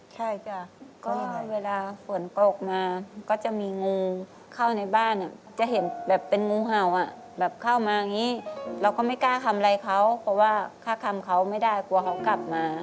ใช่จ้ะก็เวลาฝนตกมาก็จะมีงูเข้าในบ้านจะเห็นแบบเป็นงูเห่าอ่ะแบบเข้ามาอย่างนี้เราก็ไม่กล้าทำอะไรเขาเพราะว่าถ้าคำเขาไม่ได้กลัวเขากลับมา